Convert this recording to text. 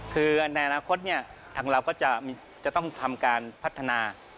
คือในอนาคตทางเราก็จะต้องทำการพัฒนา